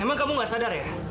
emang kamu gak sadar ya